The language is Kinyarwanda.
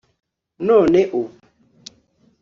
none ubu